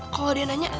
kalau dia nanya